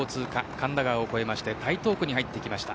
神田川を越えて台東区に入ってきました。